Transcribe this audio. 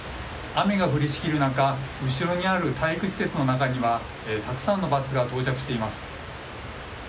雨が降りしきる中後ろにある体育施設の中にはたくさんのバスが到着しています。